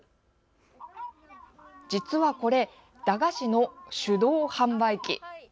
実はこれ、駄菓子の手動販売機。